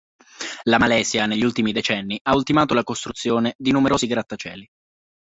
La Malesia negli ultimi decenni ha ultimato la costruzione di numerosi grattacieli.